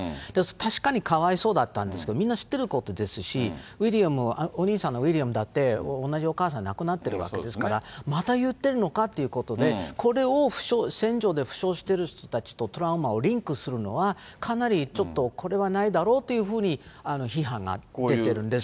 確かにかわいそうだったんですけど、みんな知ってることですし、ウィリアム、お兄さんのウィリアムだって、同じお母さん亡くなってるわけですから、また言ってるのかっていうことで、これを戦場で負傷している人たちと、トラウマをリンクするのは、かなりちょっと、これはないだろうというふうに批判が出てるんです。